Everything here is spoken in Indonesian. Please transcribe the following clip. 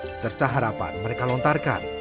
secerca harapan mereka lontarkan